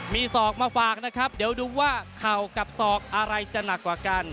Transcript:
มีศอกมาฝากนะครับเดี๋ยวดูว่าเข่ากับศอกอะไรจะหนักกว่ากัน